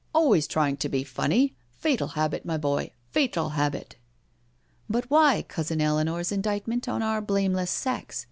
'' Always trying to be funny— fatal habit, my boy— fatal habit." " But why cousin Eleanor's indictment on our blame less sex?'